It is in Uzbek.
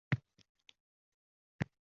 Siznimi?! Bo’lmasa jim o’tiring-da